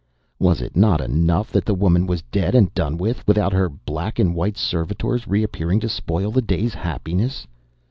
Was it not enough that the woman was dead and done with, without her black and white servitors reappearing to spoil the day's happiness?